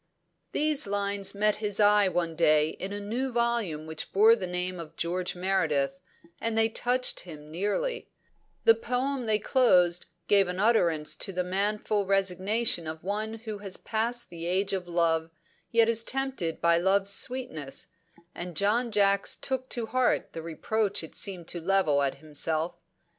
These lines met his eye one day in a new volume which bore the name of George Meredith, and they touched him nearly; the poem they closed gave utterance to the manful resignation of one who has passed the age of love, yet is tempted by love's sweetness, and John Jacks took to heart the reproach it seemed to level at himself.